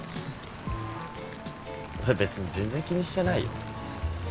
俺別に全然気にしてないよ。